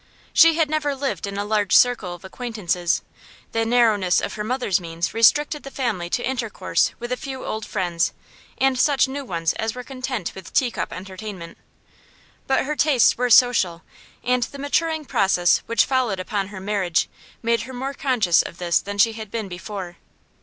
She had never lived in a large circle of acquaintances; the narrowness of her mother's means restricted the family to intercourse with a few old friends and such new ones as were content with teacup entertainment; but her tastes were social, and the maturing process which followed upon her marriage made her more conscious of this than she had been before.